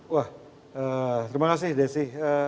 wah terima kasih desi